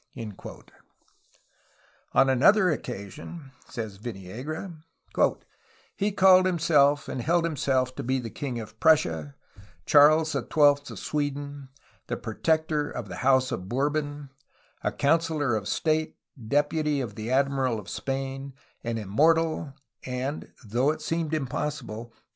*' On another occasion, says Viniegra: "He called himself and held himself to be the king of Prussia, Charles XII of Sweden, the Protector of the House of Bourbon, a councillor of state, deputy of the Admiral of Spain, an immortal, and, [though it seem] impossible.